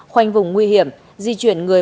khoanh vùng nguy hiểm di chuyển người